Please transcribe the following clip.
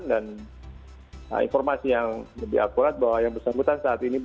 dan informasi yang lebih akurat bahwa yang bersangkutan saat ini berada di karangasem